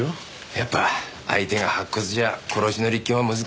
やっぱ相手が白骨じゃ殺しの立件は難しいって事だな。